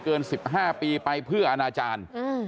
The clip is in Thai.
กลับไปลองกลับ